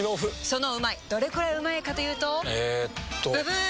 そのうまいどれくらいうまいかというとえっとブブー！